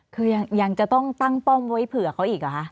คือยังจะต้องตั้งป้อมไว้เผื่อเขาอีกเหรอคะ